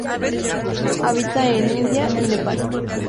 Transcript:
Habita en India y Nepal.